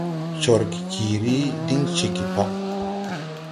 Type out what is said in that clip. Corge jiiri diŋ ceege pa.